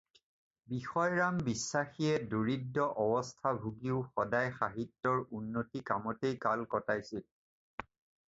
বিষয়ৰাম বিশ্বাসীয়ে দৰিদ্ৰ অৱস্থা ভুগিও সদায় সাহিত্যৰ উন্নতি কামতেই কাল কটাইছিল